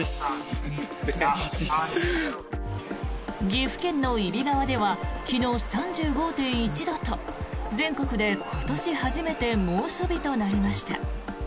岐阜県の揖斐川では昨日、３５．１度と全国で今年初めて猛暑日となりました。